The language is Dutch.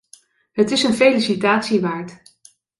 Het is een felicitatie waard.